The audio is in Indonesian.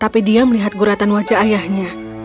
tapi dia melihat guratan wajah ayahnya